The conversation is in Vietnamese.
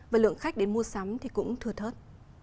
và lượng khách đến mua sắm cũng thừa thớt